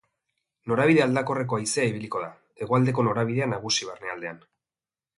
Norabide aldakorreko haizea ibiliko da, hegoaldeko norabidea nagusi barnealdean.